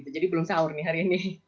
jadi belum sahur nih hari ini